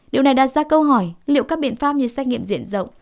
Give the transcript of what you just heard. điều này đặt ra câu hỏi liệu các biện pháp như xét nghiệm diện rộng